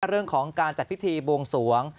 เรื่องของการจัดพิธีบวงสวง